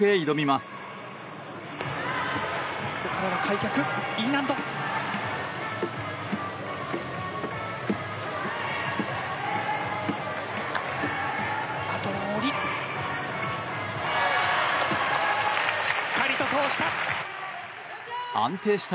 しっかりと通した！